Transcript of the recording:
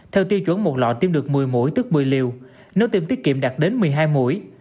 theo tiêu chuẩn một lọ tiêm được một mươi mũi tức một mươi liều nếu tiêm tiết kiệm đạt đến một mươi hai mũi